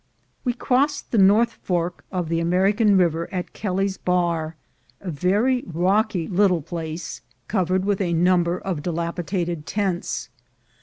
We crossed the north fork of the American River at Kelly's Bar, a very rocky little place, covered with 180 THE GOLD HUNTERS a number of dilapidated tents.